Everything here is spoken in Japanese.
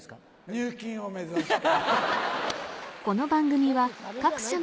入金を目指して。